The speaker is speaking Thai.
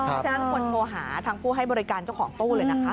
เพราะฉะนั้นควรโทรหาทางผู้ให้บริการเจ้าของตู้เลยนะคะ